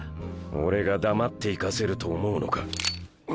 俺が黙って行かせると思うのか。